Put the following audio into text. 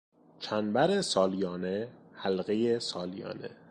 چنبر سالیانه، حلقهی سالیانه